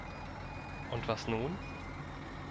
Und was nun?